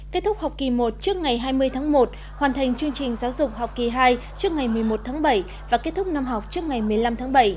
kết thúc học kỳ một trước ngày hai mươi tháng một hoàn thành chương trình giáo dục học kỳ hai trước ngày một mươi một tháng bảy và kết thúc năm học trước ngày một mươi năm tháng bảy